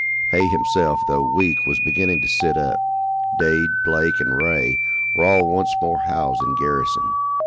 Hay himself, though weak, was beginning to sit up. Dade, Blake and Ray were all once more housed in garrison.